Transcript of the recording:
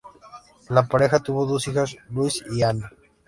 La pareja tuvo dos hijas, Louise y Anne.